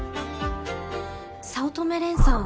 早乙女蓮さん